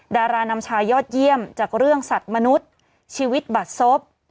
ดารานำชายยอดเยี่ยมจากเรื่องสัตว์มนุษย์ชีวิตบัดศพ